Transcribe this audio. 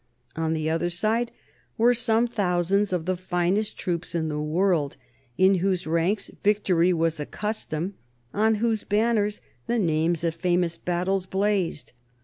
On the other side were some thousands of the finest troops in the world, in whose ranks victory was a custom, on whose banners the names of famous battles blazed.